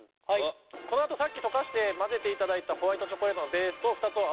このあとさっき溶かして混ぜていただいたホワイトチョコレートのベースと２つを合わせればもう完成です。